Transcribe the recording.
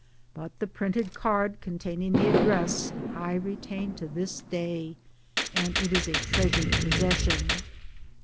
But the printed card con taining the address I retain to this day, and it is a treasured possession.